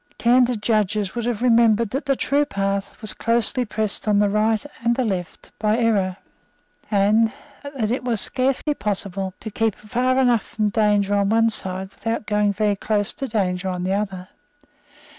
Candid judges would have remembered that the true path was closely pressed on the right and on the left by error, and that it was scarcely possible to keep far enough from danger on one side without going very close to danger on the other.